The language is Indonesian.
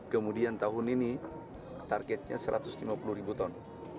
kemudian tahun ini targetnya satu ratus lima puluh ribu ton